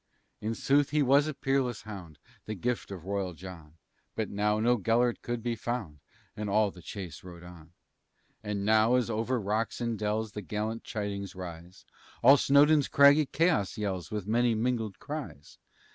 In sooth, he was a peerless hound, The gift of royal John, But now no Gelert could be found, And all the chase rode on. And now, as over rocks and dells, The gallant chidings rise, All Snowdon's craggy chaos yells With many mingled cries.